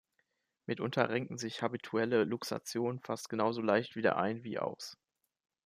Mitunter renken sich habituelle Luxationen fast genauso leicht wieder ein wie aus.